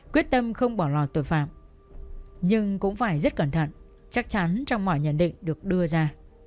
quyết tâm không bỏ lọt tội phạm nhưng cũng phải rất cẩn thận chắc chắn trong mọi nhận định được đưa ra